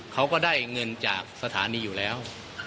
เขาก็ได้เงินจากสถานีอยู่แล้ว